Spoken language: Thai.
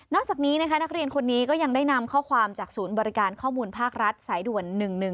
จากนี้นะคะนักเรียนคนนี้ก็ยังได้นำข้อความจากศูนย์บริการข้อมูลภาครัฐสายด่วน๑๑๒